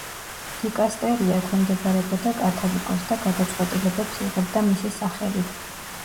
დიკასტერია ექვემდებარებოდა კათალიკოსს და გადაწყვეტილებებს იღებდა მისი სახელით.